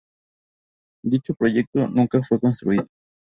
Dicho proyecto nunca fue construido.